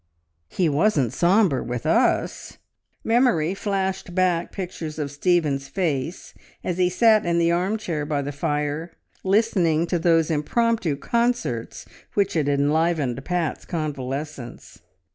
"He wasn't sombre with us!" Memory flashed back pictures of Stephen's face as he sat in the arm chair by the fire, listening to those impromptu concerts which had enlivened Pat's convalescence.